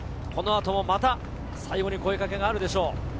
この後もまた最後に声かけがあるでしょう。